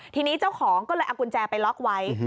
ทีนี้เจ้าของก็เลยเอากุญแจไปล็อกไว้